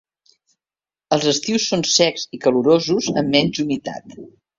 Els estius són secs i calorosos amb menys humitat.